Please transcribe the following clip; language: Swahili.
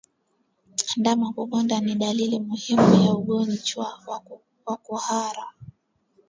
Ndama kukonda ni dalili muhimu ya ugonjwa wa kuhara